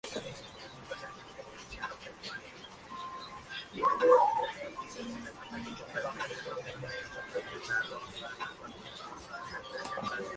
Nunca fue interpretada en directo.